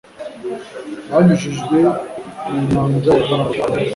banyujijwe mu nyanja ya Atalantika